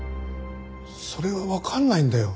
それがわからないんだよ。